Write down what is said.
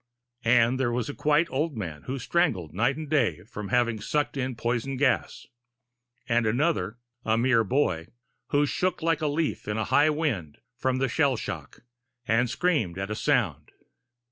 And there was a quite old man who strangled night and day from having sucked in poison gas; and another, a mere boy, who shook, like a leaf in a high wind, from shell shock, and screamed at a sound.